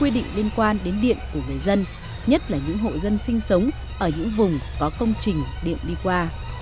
quy định liên quan đến điện của người dân nhất là những hộ dân sinh sống ở những vùng có công trình điện đi qua